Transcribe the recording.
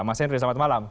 mas hendri selamat malam